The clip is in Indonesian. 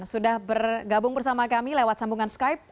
sudah bergabung bersama kami lewat sambungan skype